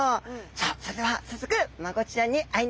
さあそれでは早速マゴチちゃんに会いに行きましょうね。